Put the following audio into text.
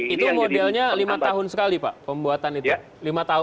itu modelnya lima tahun sekali pak pembuatan itu